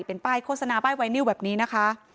เป็นป้ายโฆษณาป้ายไวนิวแบบนี้นะคะ